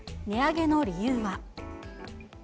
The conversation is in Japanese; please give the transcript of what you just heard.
値上げの理由は。